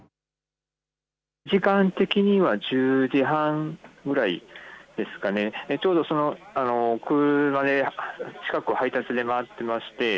時間的には１０時半ぐらいですかね、ちょうど車で近くを配達で回っていまして